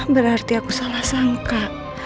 berarti aku salah sangka